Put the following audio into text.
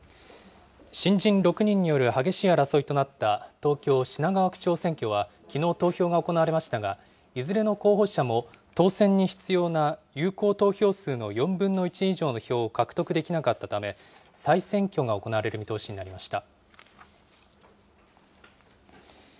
新人６人による激しい争いとなった東京・品川区長選挙はきのう投票が行われましたが、いずれの候補者も当選に必要な有効投票数の４分の１以上の票を獲得できなかったため、再選挙が行われる見通しとなりました。